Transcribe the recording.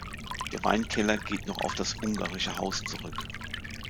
Der Weinkeller geht noch auf das "ungarische Haus" zurück.